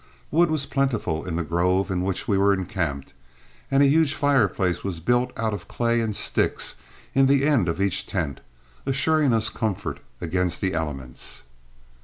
Wood was plentiful in the grove in which we were encamped, and a huge fireplace was built out of clay and sticks in the end of each tent, assuring us comfort against the elements.